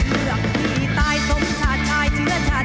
เลือกที่ตายสมชาติชายเชื้อชาติ